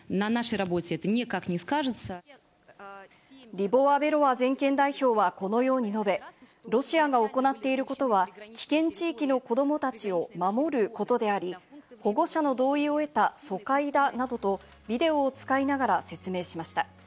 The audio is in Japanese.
リボワベロワ全権代表はこのように述べロシアが行っていることは危険地域の子供たちを守ることであり、保護者の同意を得た疎開だなどとビデオを使いながら説明しました。